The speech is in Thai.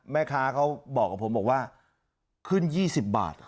แม่ค้าเขาบอกกับผมขึ้น๒๐บาท